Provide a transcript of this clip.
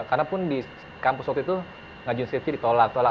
karena pun di kampus waktu itu ngajin skripsi ditolak tolak